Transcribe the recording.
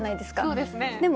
そうですね。